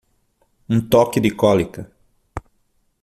Um toque de cólica.